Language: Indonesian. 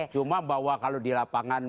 cuma bahwa kalau di lapangan